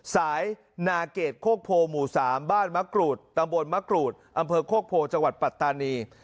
นาเกรดโคกโพหมู่๓บ้านมะกรูดตำบลมะกรูดอำเภอโคกโพจังหวัดปัตตานี